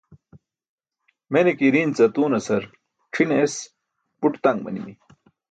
mene ke iiric ce atuunasar c̣ʰine es buṭ taṅ manimi